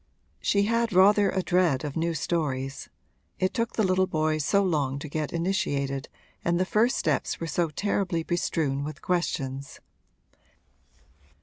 She had rather a dread of new stories it took the little boys so long to get initiated and the first steps were so terribly bestrewn with questions.